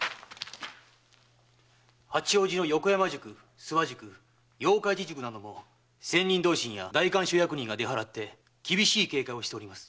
八王子の横山宿諏訪宿八日市宿なども千人同心や代官所役人が出払い厳しい警戒をしております。